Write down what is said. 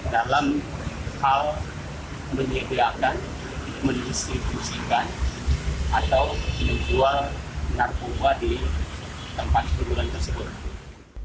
dalam hal menyediakan mendistribusikan atau menjual narkoba di tempat pembunuhan tersebut